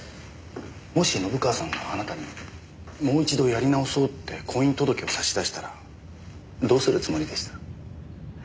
もし信川さんがあなたにもう一度やり直そうって婚姻届を差し出したらどうするつもりでした？